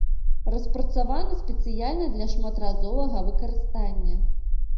Распрацаваны спецыяльна для шматразовага выкарыстання.